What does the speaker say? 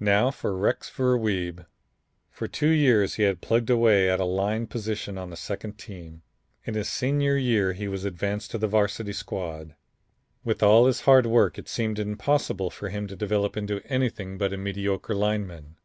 "Now for Rex Ver Wiebe. For two years he had plugged away at a line position on the second team. In his senior year he was advanced to the Varsity squad. With all his hard work it seemed impossible for him to develop into anything but a mediocre lineman.